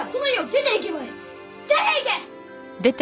出ていけ！